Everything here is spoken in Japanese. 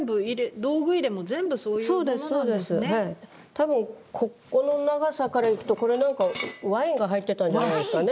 多分ここの長さからいくとこれなんかワインが入ってたんじゃないですかね。